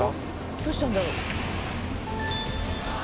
どうしたんだろう？